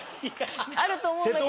あると思うんだけどな。